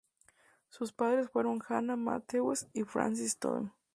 Sus padres fueron Hannah Matthews y Francis Stone.